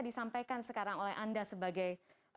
disampaikan sekarang oleh anda sebagai